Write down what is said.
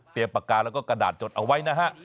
ปากกาแล้วก็กระดาษจดเอาไว้นะฮะ